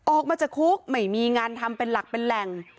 ออกมาจากคุกไม่มีงานทำเป็นหลักเป็นแหล่ง